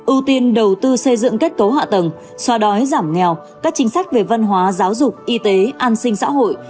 ưu tiên đầu tư xây dựng kết cấu hạ tầng xoa đói giảm nghèo các chính sách về văn hóa giáo dục y tế an sinh xã hội